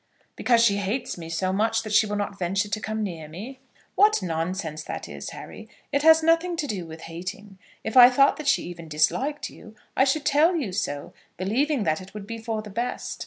"Because she hates me so much that she will not venture to come near me?" "What nonsense that is, Harry. It has nothing to do with hating. If I thought that she even disliked you, I should tell you so, believing that it would be for the best.